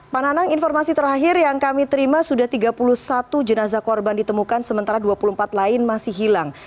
pak nanang informasi terakhir yang kami terima sudah tiga puluh satu jenazah korban ditemukan sementara dua puluh empat lain masih hilang